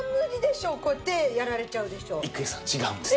郁恵さん違うんです。